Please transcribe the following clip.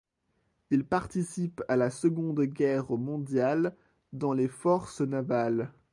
Il participe à la Seconde Guerre mondiale dans les forces navales.